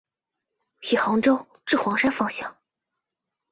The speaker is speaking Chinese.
以杭州至黄山方向。